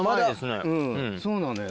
うんそうなのよ